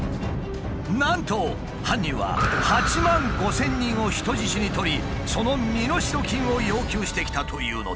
なんと犯人は８万５千人を人質に取りその身代金を要求してきたというのだ。